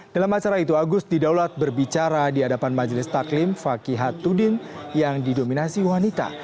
dalam acara itu agus didaulat berbicara di hadapan majelis taklim fakihatudin yang didominasi wanita